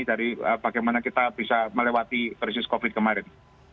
dari bagaimana kita bisa melewati krisis covid kemarin